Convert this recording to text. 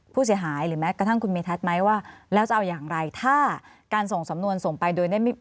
ผู้เสียหายหรือแม้กระทั่งคุณเมทัศน์ไหมว่าแล้วจะเอาอย่างไรถ้าการส่งสำนวนส่งไปโดยได้ไม่